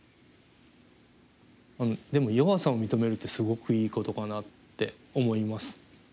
でも弱さを認めるってすごくいいことかなって思います。